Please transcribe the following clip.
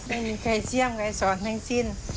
ไม่มีใครเสี่ยมใครสอนทั้งสิ้น